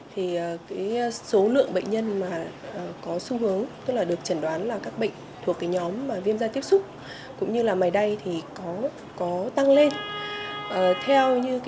thì số lượng bệnh nhân được chẩn đoán trong nhóm bệnh này rơi vào khoảng một mươi năm hai mươi